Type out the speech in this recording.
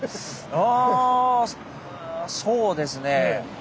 あそうですね。